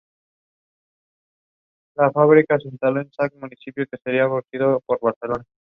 En la actualidad, estudiantes y jóvenes de China conmemoran el día con diferentes actividades.